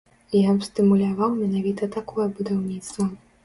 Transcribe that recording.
Я б стымуляваў менавіта такое будаўніцтва.